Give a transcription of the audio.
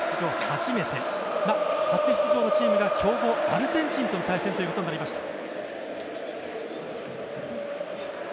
初めて初出場のチームが強豪アルゼンチンとの対戦という事になりました。